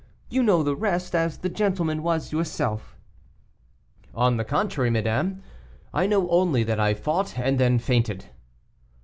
You know the rest, as the gentleman was yourself." "On the contrary, madame, I know only that I fought and then fainted."